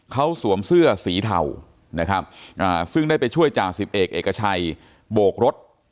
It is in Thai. เขาสวมเสื้อสีเทานะครับซึ่งได้ไปช่วยจ่าสิบเอกเอกชัยโบกรถ